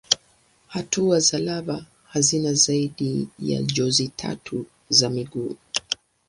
Hatua za lava hazina zaidi ya jozi tatu za miguu.